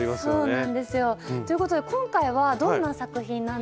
そうなんですよ。ということで今回はどんな作品なんですか？